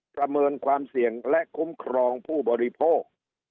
ประเมินความเสี่ยงและคุ้มครองผู้บริโภค